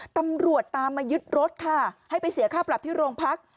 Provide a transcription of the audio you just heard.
ตำรวจตามมายึดรถค่ะให้ไปเสียค่าปรับที่โรงพัก